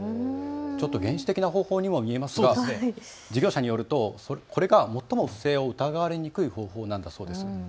ちょっと原始的な方法にも見えますが事業者によるとこれが最も不正を疑われにくい方法なんだそうです。